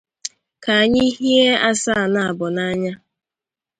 ka anyị hie asaa naabọ n'anya